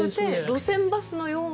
路線バスのような。